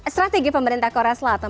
strategi pemerintah korea selatan